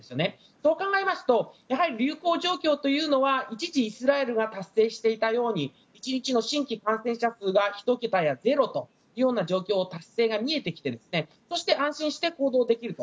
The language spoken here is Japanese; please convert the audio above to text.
そう考えますと流行状況というのは一時、イスラエルが達成していたように１日の新規感染者数が１桁やゼロという状況の達成が見えてきてそうして安心して行動ができると。